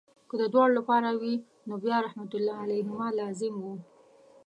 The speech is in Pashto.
که د دواړو لپاره وي نو بیا رحمت الله علیهما لازم وو.